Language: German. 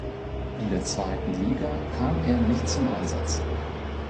In der zweiten Liga kam er nicht zum Einsatz.